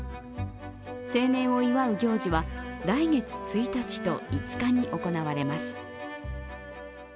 成年を祝う行事は来月１日と５日に行われます。